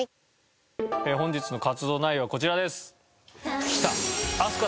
本日の活動内容はこちらです。